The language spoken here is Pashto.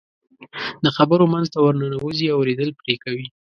د خبرو منځ ته ورننوځي، اورېدل پرې کوي.